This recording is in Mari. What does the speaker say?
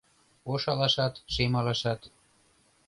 Ош алашат, шем алашат